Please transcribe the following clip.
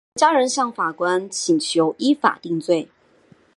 洪家人向法官请求依法定罪。